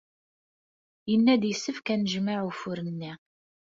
Yenna-d yessefk ad nejmeɛ ufur-nni.